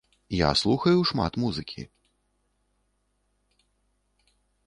Я слухаю шмат музыкі.